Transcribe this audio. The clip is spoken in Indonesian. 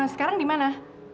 sekarang di mana